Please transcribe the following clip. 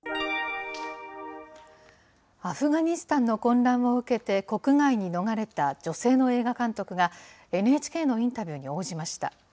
アフガニスタンの混乱を受けて国外に逃れた女性の映画監督が、ＮＨＫのインタビューに応じました。